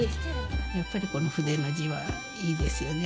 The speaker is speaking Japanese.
やっぱりこの筆の字はいいですよね。